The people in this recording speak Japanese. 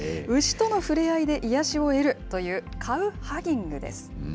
牛との触れ合いで癒やしを得るという、カウ・ハギングです。